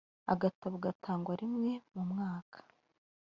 agatabo gatangwa rimwe mumwaka.